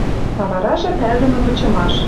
А варажы пӓлдӹмӹм вычымаш